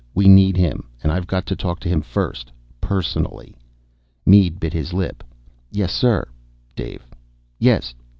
We need him, and I've got to talk to him first. Personally." Mead bit his lip. "Yes, sir." "Dave." "Yes